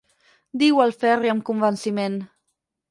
Diu el Ferri amb convenciment–.